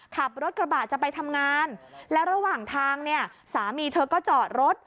ขับรถกระบะจะไปทำงานแล้วระหว่างทางเนี่ยสามีเธอก็จอดรถ